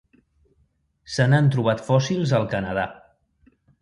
Se n'han trobat fòssils al Canadà.